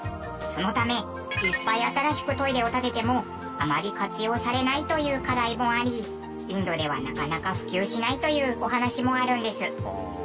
そのためいっぱい新しくトイレを建ててもあまり活用されないという課題もありインドではなかなか普及しないというお話もあるんです。